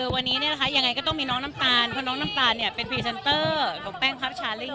วันนี้ยังไงก็ต้องมีน้องน้ำตาลเพราะน้องน้ำตาลเป็นพรีเซนเตอร์กับแป้งพับชาลิ่ง